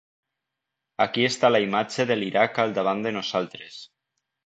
Aquí està la imatge de l'Iraq al davant de nosaltres.